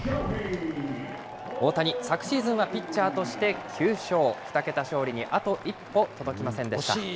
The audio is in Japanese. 大谷、昨シーズンはピッチャーとして９勝、２桁勝利にあと一歩届きませんでした。